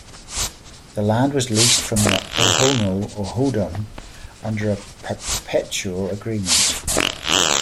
The land was leased from the Tohono O'odham under a perpetual agreement.